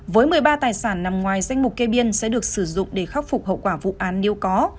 với một mươi ba tài sản nằm ngoài danh mục kê biên sẽ được sử dụng để khắc phục hậu quả vụ án nếu có